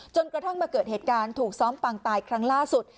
จนกระทั่งมาเกิดเหตุการณ์ถูกซ้อมปังตายครั้งล่าสุด